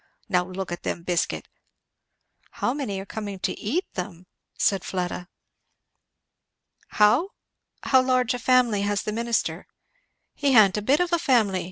Now look at them biscuit!" "How many are coming to eat them?" said Fleda. "How?" "How large a family has the minister?" "He ha'n't a bit of a family!